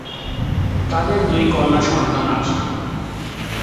তাদের দুই কন্যা সন্তান আছে।